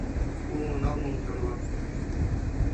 Пуымо-налмым тӧрлат.